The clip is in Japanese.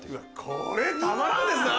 これたまらんですな！